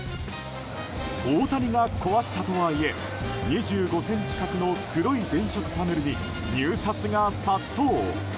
大谷が壊したとはいえ２５ｃｍ角の黒い電飾パネルに入札が殺到。